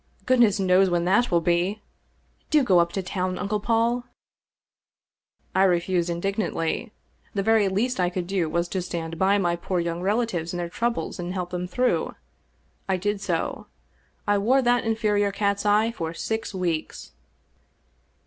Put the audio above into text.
Goodness knows when that will be ! Do go up to town. Uncle Paul !" I refused indignantly. The very least I could do was to stand by my poor young relatives in their troubles and help them through. I did so. I wore that inferior cat's eye for six weeks!